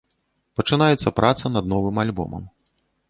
Пачынаецца праца над новым альбомам.